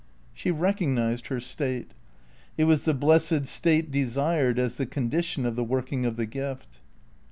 She recognised her state. It was the blessed state desired as the condition of the working of the gift.